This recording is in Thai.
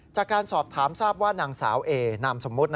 จากการสอบถามทราบว่านางสาวเอนามสมมุติ